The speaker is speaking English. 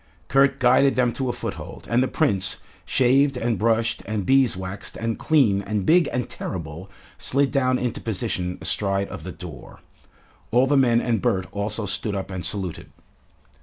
Kurt guided them to a foothold, and the Prince, shaved and brushed and beeswaxed and clean and big and terrible, slid down into position astride of the door. All the men and Bert also stood up and saluted.